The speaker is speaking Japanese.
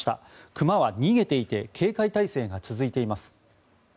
クマは逃げていて警戒態勢が続いています。